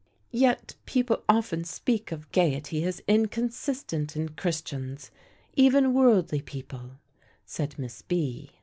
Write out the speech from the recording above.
"Yet people often speak of gayety as inconsistent in Christians even worldly people," said Miss B.